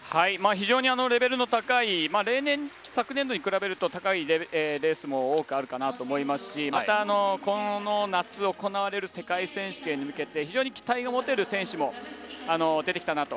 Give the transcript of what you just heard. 非常にレベルの高い昨年度に比べると高いレースも多くあるかなと思いますし今後、夏に行われる世界選手権に向けて非常に期待の持てる選手も出てきたなと。